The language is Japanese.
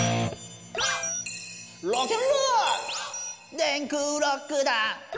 「電空ロックだ」